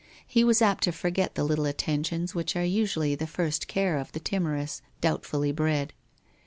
He was apt to forget the little attentions which are usually the first care of the timorous, doubtfully bred.